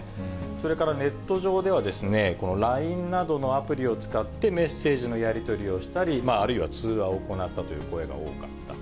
それからネット上では、ラインなどのアプリを使ってメッセージのやり取りをしたり、あるいは通話を行ったという声が多かった。